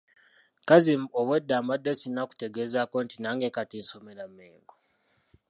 Kazzi obw’edda mbadde sinnakutegeezaako nti nange kati nsomera Mmengo